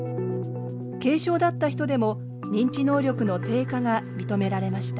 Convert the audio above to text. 軽症だった人でも認知能力の低下が認められました。